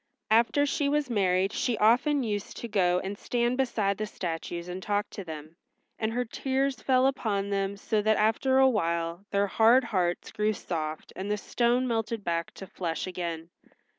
After she was married she often used to go and stand beside the statues and talk to them, and her tears fell upon them so that after awhile their hard hearts grew soft and the stone melted back to flesh again.